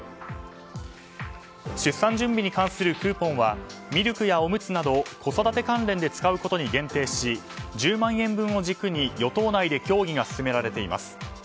出産準備に関するクーポンはミルクやおむつなど子育て関連で使うことに限定し１０万円を軸に与党内で協議が進められています。